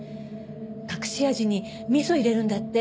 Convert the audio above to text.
隠し味に味噌入れるんだって。